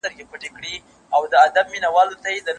نه ښراوي سي تاوان ور رسولای